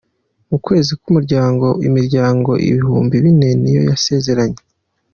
Mu kwezi k’umuryango imiryango ibihumbi bine niyo yasezeranye